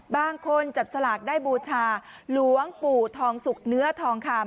บางคนจับสลากได้บูชาหลวงปู่ทองสุกเนื้อทองคำ